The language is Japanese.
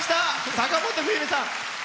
坂本冬美さん。